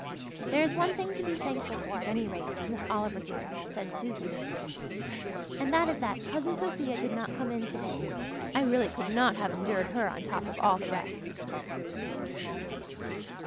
"There is one thing to be thankful for at any rate, Miss Oliver, dear," said Susan, "and that is that Cousin Sophia did not come in today. I really could not have endured her on top of all the rest."